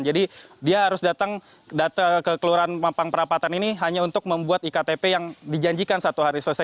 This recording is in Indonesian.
jadi dia harus datang ke kelurahan mampang perapatan ini hanya untuk membuat iktp yang dijanjikan satu hari selesai